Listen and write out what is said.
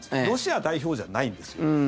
ロシア代表じゃないんですよ。